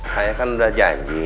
saya kan udah janji